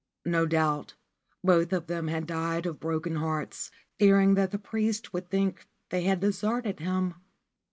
No doubt both of them had died of broken hearts, fearing that the priest would think they had deserted him.